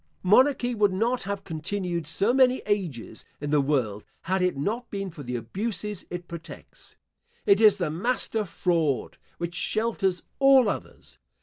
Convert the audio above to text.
* Monarchy would not have continued so many ages in the world, had it not been for the abuses it protects. It is the master fraud, which shelters all others.